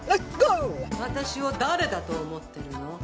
私を誰だと思ってるの？